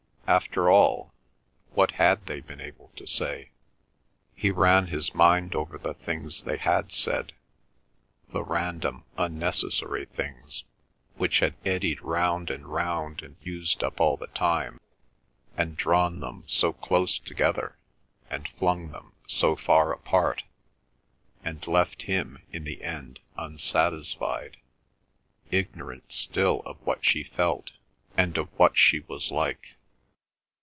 After all, what had they been able to say? He ran his mind over the things they had said, the random, unnecessary things which had eddied round and round and used up all the time, and drawn them so close together and flung them so far apart, and left him in the end unsatisfied, ignorant still of what she felt and of what she was like.